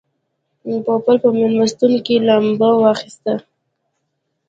پوپل په مېلمستون کې لامبو واخیسته.